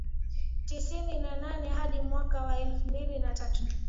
tisini na nane hadi mwaka wa elfu mbili na tatu